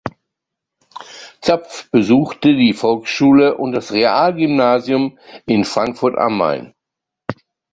Zapf besuchte die Volksschule und das Real-Gymnasium in Frankfurt am Main.